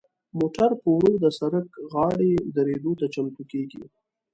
موټر په ورو د سړک غاړې دریدو ته چمتو کیږي.